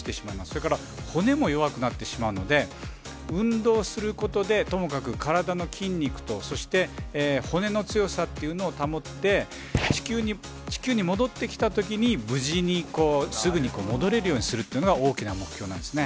だから、骨も弱くなってしまいますので、運動することで、ともかく体の筋肉と、そして骨の強さというのを保って、地球に戻ってきたときに、無事にすぐに戻れるようにするというのが、大きな目標なんですね。